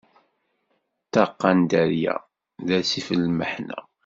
Ṭṭaqqa n dderya, d asif n lmeḥna.